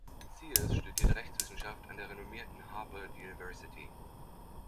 Sears studierte Rechtswissenschaft an der renommierten Harvard University.